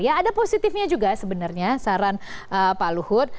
ya ada positifnya juga sebenarnya saran pak luhut